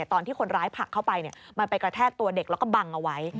ตอนที่คนร้ายผลักเข้าไปมันไปกระแทกตัวเด็กแล้วก็บังเอาไว้